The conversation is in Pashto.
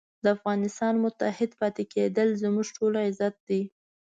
د افغانستان متحد پاتې کېدل زموږ ټولو عزت دی.